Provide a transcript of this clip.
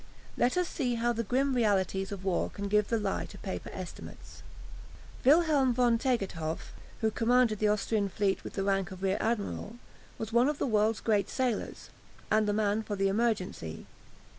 Let us see how the grim realities of war can give the lie to paper estimates. Wilhelm von Tegethoff, who commanded the Austrian fleet with the rank of rear admiral, was one of the world's great sailors, and the man for the emergency.